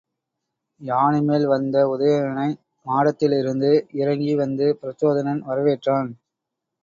யானைமேல் வந்த உதயணனை மாடத்திலிருந்து இறங்கி வந்து பிரச்சோதனன் வரவேற்றான்.